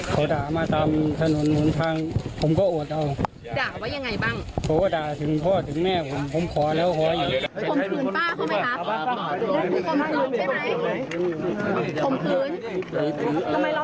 เพราะว่าด่าถึงพ่อถึงแม่ผมผมขอแล้วขออยู่